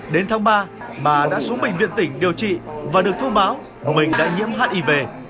đến tháng ba bà đã xuống bệnh viện tỉnh điều trị và được thông báo mình đã nhiễm hiv